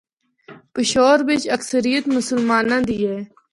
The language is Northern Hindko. پشور بچ اکثریت مسلماںاں دی ہے۔